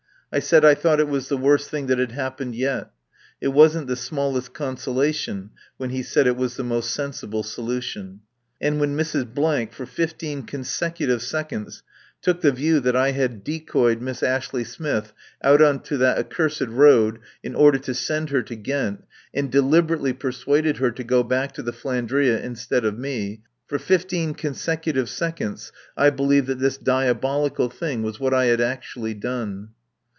I said I thought it was the worst thing that had happened yet. It wasn't the smallest consolation when he said it was the most sensible solution. And when Mrs. for fifteen consecutive seconds took the view that I had decoyed Miss Ashley Smith out on to that accursed road in order to send her to Ghent, and deliberately persuaded her to go back to the "Flandria" instead of me, for fifteen consecutive seconds I believed that this diabolical thing was what I had actually done.